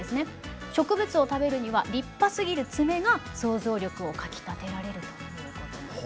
植物を食べるには立派すぎる爪が想像力をかきたてられるということなんです。